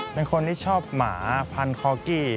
เป็นคนที่ชอบหมาพันคอกี้